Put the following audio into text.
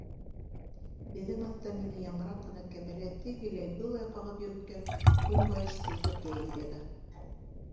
Беҙҙең аҫта мине яңыраҡ ҡына кәмәлә тегеләй-былай ҡағып йөрөткән көнбайыш ҡултыҡ йәйелеп ята.